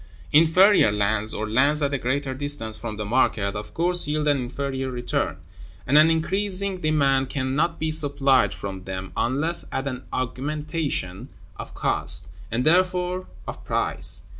Inferior lands, or lands at a greater distance from the market, of course yield an inferior return, and an increasing demand can not be supplied from them unless at an augmentation of cost, and therefore of price.